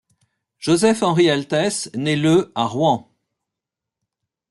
Joseph-Henri Altès naît le à Rouen.